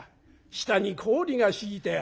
下に氷が敷いてある」。